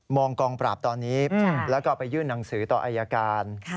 กองปราบตอนนี้แล้วก็ไปยื่นหนังสือต่ออายการ